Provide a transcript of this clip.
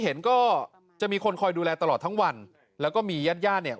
เห็นก็จะมีคนคอยดูแลตลอดทั้งวันแล้วก็มีญาติญาติเนี่ย